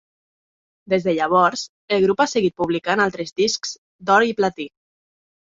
Des de llavors, el grup ha seguit publicant altres discs d'or i platí.